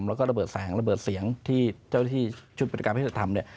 และระเบิดแสงและระเบิดเสียงที่ชุ่นเป็นพิธีไธยทำเนี่ย